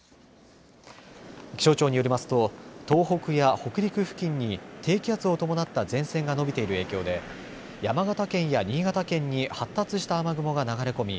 気象庁によりますと東北や北陸付近に低気圧を伴った前線が伸びている影響で山形県や新潟県に発達した雨雲が流れ込み